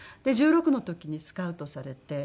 で１６の時にスカウトされて。